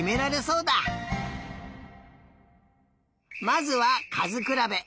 まずはかずくらべ。